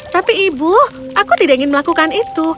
tapi ibu aku tidak ingin melakukan itu